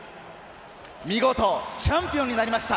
見事、チャンピオンになりました。